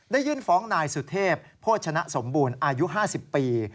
ยื่นฟ้องนายสุเทพโภชนะสมบูรณ์อายุ๕๐ปี